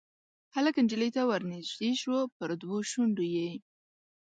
هلک نجلۍ ته ورنیژدې شو پر دوو شونډو یې